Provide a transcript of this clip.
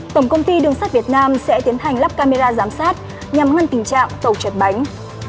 tổng công ty đường sắt việt nam sẽ tiến hành lắp camera giám sát nhằm ngăn tình trạng tàu chật bánh